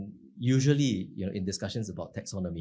biasanya dalam diskusi tentang taxonomy